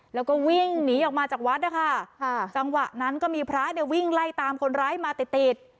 แล้วก็วิ่งหนีออกมาจากวัดนะคะจังหวะนั้นก็มีพระเนี่ยวิ่งไล่ตามคนร้ายมาติดติด